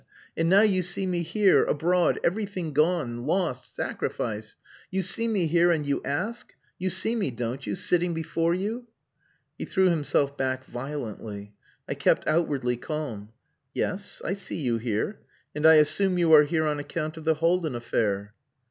And now you see me here, abroad, everything gone, lost, sacrificed. You see me here and you ask! You see me, don't you? sitting before you." He threw himself back violently. I kept outwardly calm. "Yes, I see you here; and I assume you are here on account of the Haldin affair?"